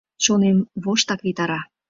Чонем воштак витара